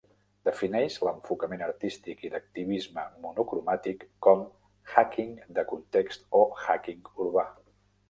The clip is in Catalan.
Defineix l'enfocament artístic i d'activisme monocromàtic com "hacking de context" o "hacking urbà".